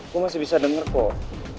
gue masih bisa dengar kok